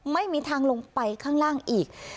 ไม่มีทางลงไปข้างล่างอีก